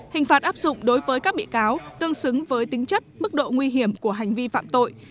hình phạt áp dụng đối với các bị cáo tương xứng với tính chất mức độ nguy hiểm của hành vi phạm tội